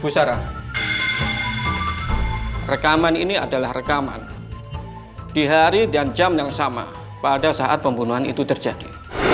rekaman ini adalah rekaman di hari dan jam yang sama pada saat pembunuhan itu terjadi